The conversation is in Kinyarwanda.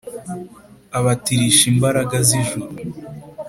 Abatirish' imbaraga z'ijuru.